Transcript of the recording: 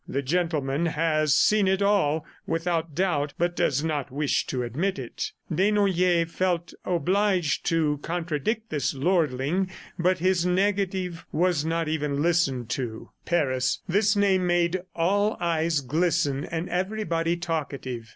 "The gentleman has seen it all without doubt, but does not wish to admit it." Desnoyers felt obliged to contradict this lordling, but his negative was not even listened to. Paris! This name made all eyes glisten and everybody talkative.